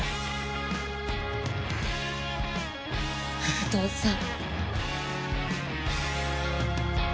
お父さん。